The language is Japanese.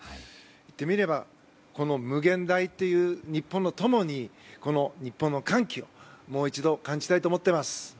言ってみればこの無限大という日本の友に日本の歓喜をもう一度感じたいと思います。